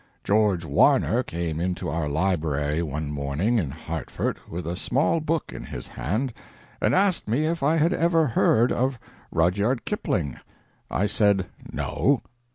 .. George Warner came into our library one morning, in Hartford, with a small book in his hand, and asked me if I had ever heard of Rudyard Kipling. I said "No."